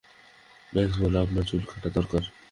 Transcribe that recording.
Max বলল আপনার চুল কাটা দরকার।